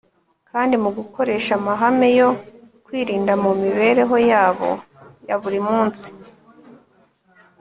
kandi mu gukoresha amahame yo kwirinda mu mibereho yabo ya buri munsi